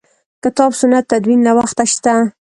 کتاب سنت تدوین له وخته شته.